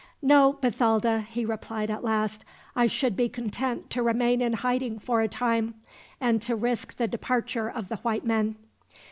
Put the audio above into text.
"No, Bathalda," he replied at last; "I should be content to remain in hiding for a time, and to risk the departure of the white men."